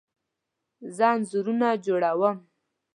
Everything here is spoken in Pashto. زه انځورونه جوړه وم